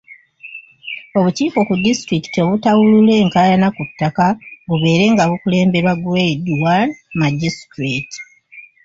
Obukiiko ku disitulikiti obutawulula enkaayana ku ttaka bubeere nga bukulemberwa Grade one Magistrate.